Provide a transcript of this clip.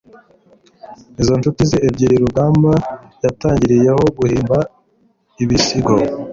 izo nshuti ze ebyiri rugamba yatangiriyeho guhimba ibisigo